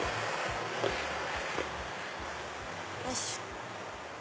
よいしょ。